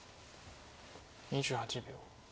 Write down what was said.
２８秒。